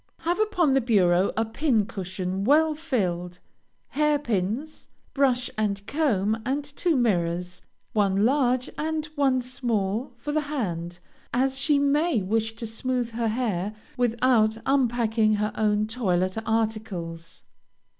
Have upon the bureau a pin cushion well filled, hair pins, brush and comb, and two mirrors, one large, and one small for the hand, as she may wish to smooth her hair, without unpacking her own toilet articles.